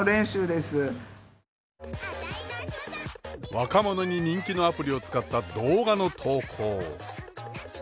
若者に人気のアプリを使った動画の投稿。